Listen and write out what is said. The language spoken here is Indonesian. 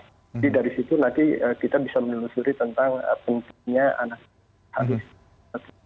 jadi dari situ nanti kita bisa menelusuri tentang pentingnya anak itu harus